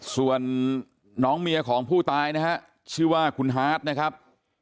ส่วนน้องเมียของผู้ตายนะฮะชื่อว่าคุณฮาร์ดนะครับ